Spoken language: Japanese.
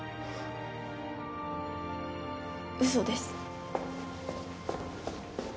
嘘です。